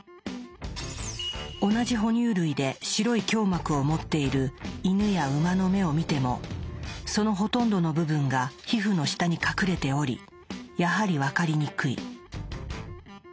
同じ哺乳類で白い強膜を持っているイヌやウマの目を見てもそのほとんどの部分が皮膚の下に隠れておりやはり分かりにくい。